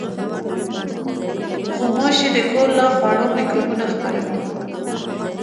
غوماشې د کور له خوړو مکروبونه خپروي.